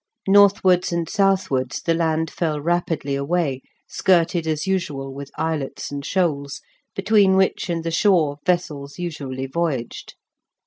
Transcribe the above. Northwards and southwards the land fell rapidly away, skirted as usual with islets and shoals, between which and the shore vessels usually voyaged.